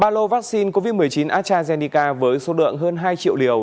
ba lô vaccine covid một mươi chín astrazeneca với số lượng hơn hai triệu liều